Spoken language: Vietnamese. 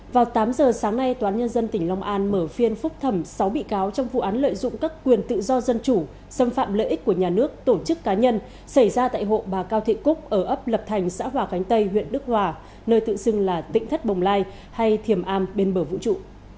vào tám giờ sáng nay toán nhân dân tỉnh long an mở phiên phúc thẩm sáu bị cáo trong vụ án lợi dụng các quyền tự do dân chủ xâm phạm lợi ích của nhà nước tổ chức cá nhân xảy ra tại hộ bà cao thị cúc ở ấp lập thành xã hòa khánh tây huyện đức hòa nơi tự xưng là tỉnh thất bồng lai hay thiềm am bên bờ vũ trụ